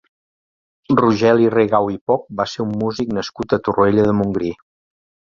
Rogeli Rigau i Poch va ser un músic nascut a Torroella de Montgrí.